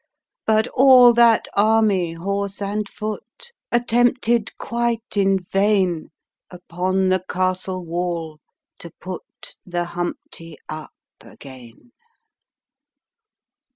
412 Burlesque But all that anny, horse and foot, Attempted, quite in vain, Upon the castle wall to put The Humpty up again.